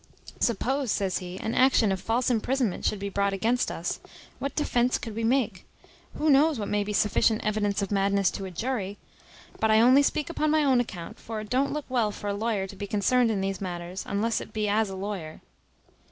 "Suppose," says he, "an action of false imprisonment should be brought against us, what defence could we make? Who knows what may be sufficient evidence of madness to a jury? But I only speak upon my own account; for it don't look well for a lawyer to be concerned in these matters, unless it be as a lawyer.